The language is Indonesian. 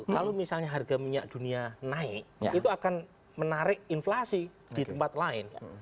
kalau misalnya harga minyak dunia naik itu akan menarik inflasi di tempat lain